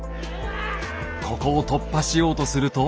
ここを突破しようとすると。